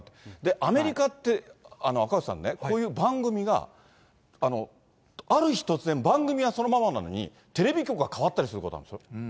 アメリカって、赤星さんね、こういう番組が、ある日突然、番組がそのままなのに、テレビ局が変わったりすることあるんですよ。